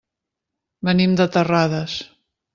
Venim de Terrades.